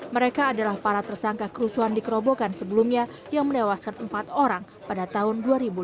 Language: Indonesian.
mereka adalah para tersangka kerusuhan di kerobokan sebelumnya yang menewaskan empat orang pada tahun dua ribu enam belas